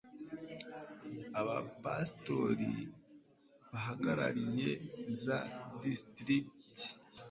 abapasitori bahagarariye za disitirigiti